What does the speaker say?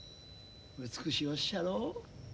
美しおっしゃろ？